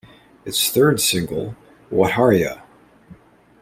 Its third single, Whatareya?